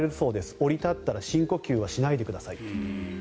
降り立ったら深呼吸はしないでくださいって。